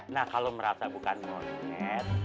nah kalo merata bukan monyet